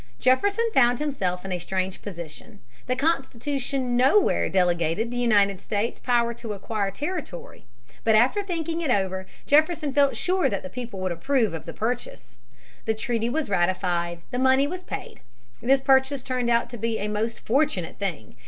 Jefferson found himself in a strange position. The Constitution nowhere delegated to the United States power to acquire territory (p. 164). But after thinking it over Jefferson felt sure that the people would approve of the purchase. The treaty was ratified. The money was paid. This purchase turned out to be a most fortunate thing.